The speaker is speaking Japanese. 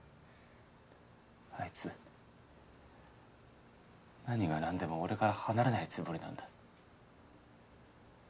あいつ何が何でも俺から離れないつもりなんだ。